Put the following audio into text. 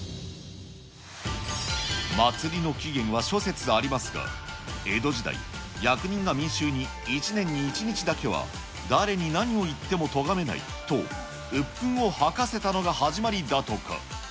祭りの起源は諸説ありますが、江戸時代、役人が民衆に、１年に１日だけは誰に何を言ってもとがめないと、うっぷんを吐かせたのが始まりだとか。